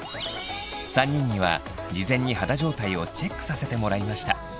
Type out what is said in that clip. ３人には事前に肌状態をチェックさせてもらいました。